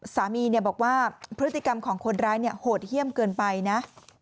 สามีบอกว่าพฤติกรรมของคนร้ายโหดเยี่ยมเกินไปนะ